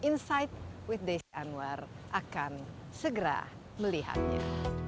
insight with desi anwar akan segera melihatnya